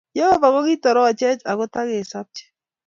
Jehovah, ki-itoretech ko ta kesabche